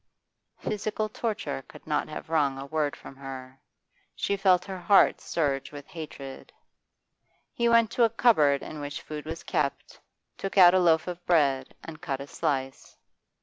Physical torture could not have wrung a word from her. She felt her heart surge with hatred. He went to the cupboard in which food was kept, took out a loaf of bread, and cut a slice.